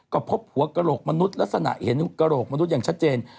ก็พบหัวกระโหลกมนุษย์ลักษณะเห็นกระโหลกมนุษย์อย่างชัดเจน